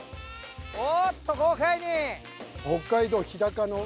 おっと豪快に！